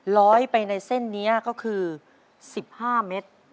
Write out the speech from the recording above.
ร้อยไปในเส้นนี้ก็คือ๑๕เมตร